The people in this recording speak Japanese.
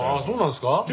そうなんですか？